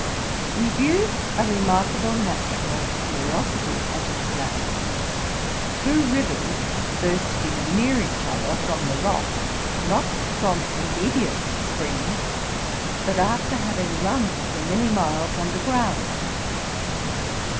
We viewed a remarkable natural curiosity at Islam; two rivers bursting near each other from the rock, not from immediate springs, but after having run for many miles under ground.